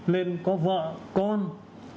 lên có vợ con con nhỏ